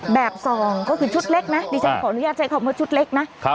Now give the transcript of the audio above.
แบบ๒ก็คือชุดเล็กนะขออนุญาตใจขอบคุณชุดเล็กนะ